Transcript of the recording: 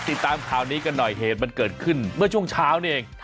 ติดตามข่าวนี้กันหน่อยเหตุมันเกิดขึ้นเมื่อช่วงเช้านี่เอง